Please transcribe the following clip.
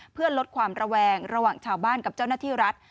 เพื่อลดความระแวงระหว่างเจ้าหน้าที่รัฐ